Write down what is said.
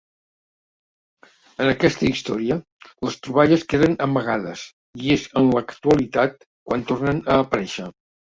En aquesta història, les troballes queden amagades i és en l'actualitat quan tornen a aparèixer.